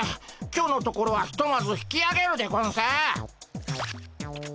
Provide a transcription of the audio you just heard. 今日のところはひとまず引きあげるでゴンス。